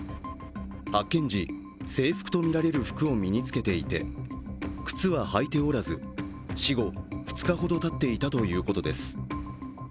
発見時、制服とみられる服を身につけていて、靴は履いておらず死後２日ほどたっていたということです。